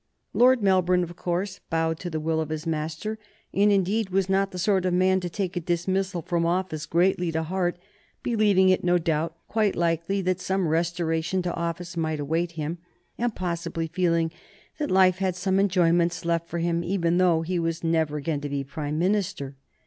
Lord Melbourne, of course, bowed to the will of his master, and, indeed, was not the sort of man to take a dismissal from office greatly to heart, believing it, no doubt, quite likely that some restoration to office might await him, and possibly feeling that life had some enjoyments left for him even though he were never again to be Prime Minister.